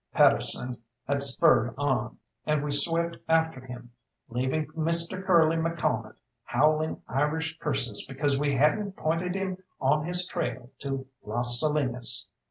Pedersen had spurred on, and we swept after him, leaving Mr. Curly McCalmont howling Irish curses because we hadn't pointed him on his trail to Las Salinas.